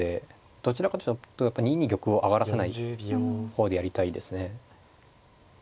どちらかというとやっぱ２二玉を上がらせない方でやりたいですね。